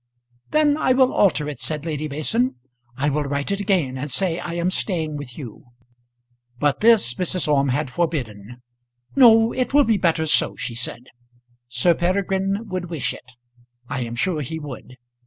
"Then I will alter it," said Lady Mason. "I will write it again and say I am staying with you." But this Mrs. Orme had forbidden. "No; it will be better so," she said. "Sir Peregrine would wish it. I am sure he would.